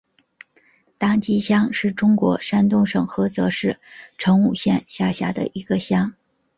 党集乡是中国山东省菏泽市成武县下辖的一个乡。